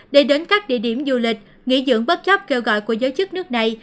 để đến các địa điểm du lịch nghỉ dưỡng bất chấp kêu gọi của giới chức nước này